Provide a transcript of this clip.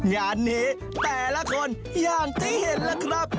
งานนี้แต่ละคนอย่างที่เห็นล่ะครับ